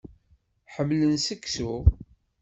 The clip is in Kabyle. Ḥemmlen seksu.